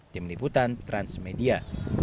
tim liputan transmedia